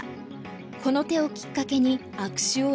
この手をきっかけに悪手を連発。